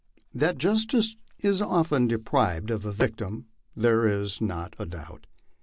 That justice is often deprived o a victim there is not a doubt.